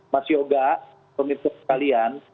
mas yoga pemirsa sekalian